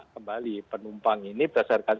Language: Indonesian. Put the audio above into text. kembali penumpang ini berdasarkan